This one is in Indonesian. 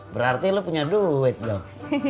berarti lo punya duit dong